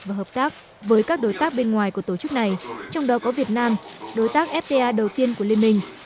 và hợp tác với các đối tác bên ngoài của tổ chức này trong đó có việt nam đối tác fta đầu tiên của liên minh